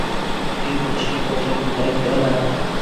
این ماشین قفل کودک دارد؟